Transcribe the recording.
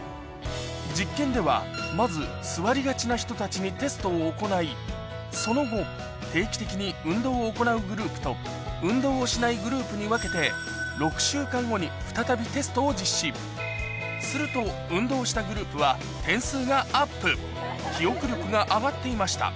実験ではまず座りがちな人たちにテストを行いその後定期的に運動を行うグループと運動をしないグループに分けてすると運動したグループは点数がアップ記憶力が上がっていました